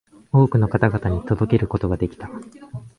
多くの方々に届けることができた